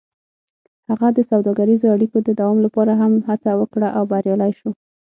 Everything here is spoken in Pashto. هغه د سوداګریزو اړیکو د دوام لپاره هم هڅه وکړه او بریالی شو.